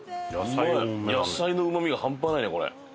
野菜のうまみが半端ないねこれ。